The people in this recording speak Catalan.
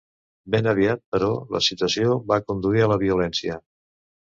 Ben aviat, però, la situació va conduir a la violència.